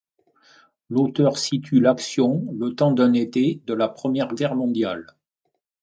L’auteur situe l’action le temps d’un été de la Première Guerre mondiale.